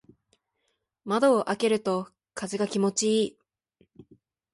窓を開けると風が気持ちいい。